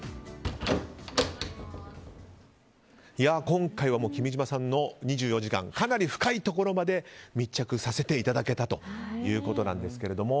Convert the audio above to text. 今回は君島さんの２４時間かなり深いところまで密着させていただけたということなんですけれども。